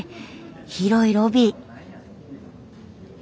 広いロビー。